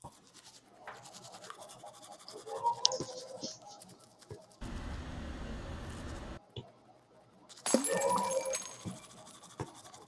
এছাড়া তিনি সিরিয়ার প্রেসিডেন্ট বাশার আসাদের উপদেষ্টা হিসেবেও দায়িত্ব পালন করেছিলেন।